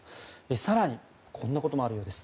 更にこんなこともあるようです。